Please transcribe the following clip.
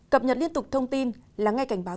cập nhật liên tục thông tin là ngay cảnh báo